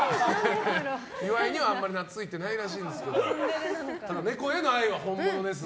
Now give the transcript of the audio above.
岩井には、あんまりなついてないらしいんですけどネコへの愛は本物です。